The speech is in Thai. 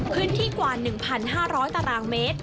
พื้นที่กว่า๑๕๐๐ตารางเมตร